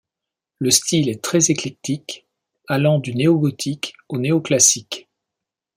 Le style est très éclectique, allant du néo-gothique au néo-classique.